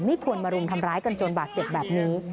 ควรมารุมทำร้ายกันจนบาดเจ็บแบบนี้